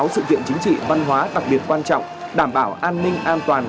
một trăm bốn mươi sáu sự diện chính trị văn hóa đặc biệt quan trọng đảm bảo an ninh an toàn